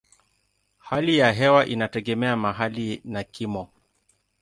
Hali ya hewa inategemea mahali na kimo.